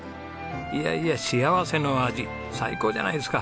いやいや幸せの味最高じゃないですか。